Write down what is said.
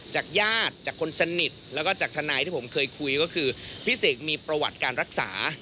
จากญาติจากคนสนิทแล้วก็จากทนายที่ผมเคยคุยก็คือพี่เสกมีประวัติการรักษา